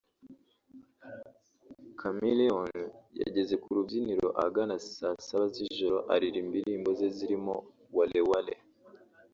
Chameleone yageze ku rubyiniro ahagana saa saba z’ijoro aririmba indirimbo ze zirimo “Wale Wale”